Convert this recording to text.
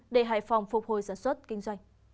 để hải phòng phục hồi sản xuất kinh doanh